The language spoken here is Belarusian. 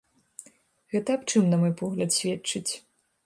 Гэта аб чым, на мой погляд, сведчыць?